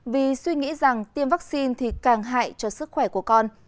vì suy nghĩ rằng tiêm vắc xin thì càng hại cho sức khỏe của con